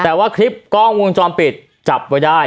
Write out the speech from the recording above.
แต่ว่าคลิปกล้องวงจรปิดจับไว้ได้